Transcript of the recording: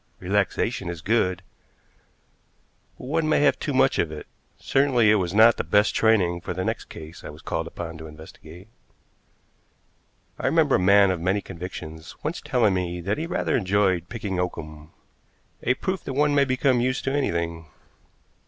Relaxation is good, but one may have too much of it; certainly it was not the best training for the next case I was called upon to investigate. I remember a man of many convictions once telling me that he rather enjoyed picking oakum, a proof that one may become used to anything.